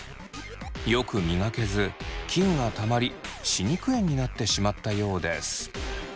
よく磨けず菌がたまり歯肉炎になってしまったようです。